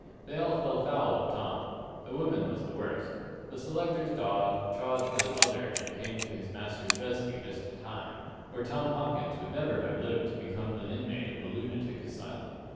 They all fell foul of Tom. The woman was the worst. The selector's dog chawed the other and came to his master's rescue just in time or Tom Hopkins would never have lived to become the inmate of a lunatic asylum.